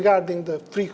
pada tahap teknis